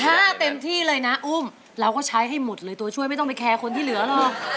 ถ้าเต็มที่เลยนะอุ้มเราก็ใช้ให้หมดเลยตัวช่วยไม่ต้องไปแคร์คนที่เหลือหรอก